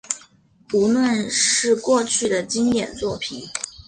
无论是过去的经典作品